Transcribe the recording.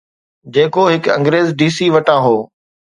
جيڪو هڪ انگريز ڊي سي وٽان هو.